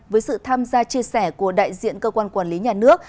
với sự tham gia chia sẻ của đại diện cơ quan quản lý nhà nước